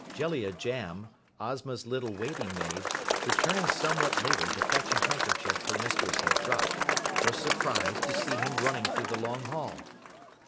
Jellia Jamb, Ozma's little waiting maid, returning somewhat later to fetch a handkerchief her mistress had dropped, was surprised to see him running through the long hall.